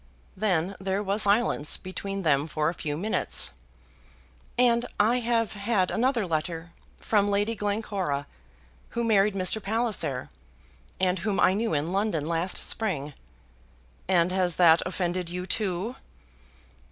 Then there was silence between them for a few minutes. "And I have had another letter, from Lady Glencora, who married Mr. Palliser, and whom I knew in London last spring." "And has that offended you, too?"